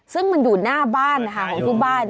ซึ่งมันอยู่หน้าบ้านนะคะของที่บ้าน